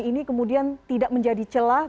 ini kemudian tidak menjadi celah